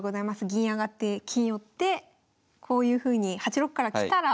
銀上がって金寄ってこういうふうに８六から来たら。